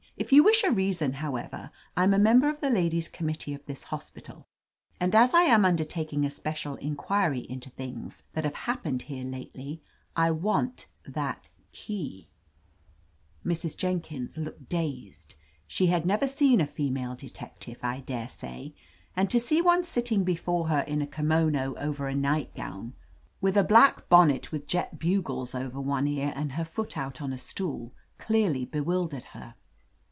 "If you wish a reason, however, I'm a member of the Ladies' Committee of this hospital, and as I am un dertaking a special inquiry into things that have happened here lately, / want that key/' ' Mrs. Jenkins looked dazed. She had never seen a female detective, I daresay, and to see one sitting before her in a kimono over a nightgown, with a black bonnet with jet bu gles over one ear, and her foot out on a stool, clearly bewildered her.